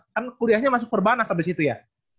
kan kuliahnya masuk perbanas abis itu ya